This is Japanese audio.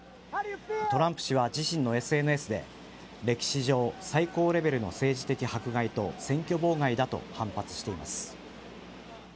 トランプ氏は自身のＳＮＳで歴史上最高レベルの政治的迫害と選挙妨害だと反発しています。